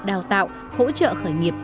đào tạo hỗ trợ khởi nghiệp